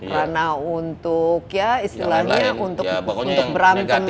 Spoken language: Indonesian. rana untuk ya istilahnya untuk berantem